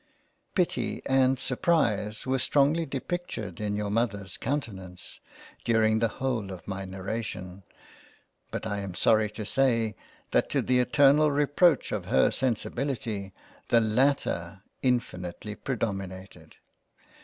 Pity and surprise were strongly depictured in your Mother's countenance, during the whole of my narration, but I am sorry to say, that to the eternal reproach of her sensibility, the latter infinitely predominated.